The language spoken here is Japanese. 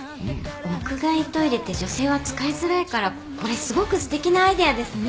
屋外トイレって女性は使いづらいからこれすごくすてきなアイデアですね。